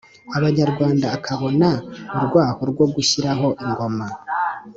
abanyarwanda akabona urwaho rwo gushyiraho ingoma